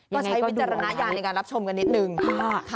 ใช่ค่ะก็ใช้วิจารณายานในการรับชมกันนิดหนึ่งค่ะ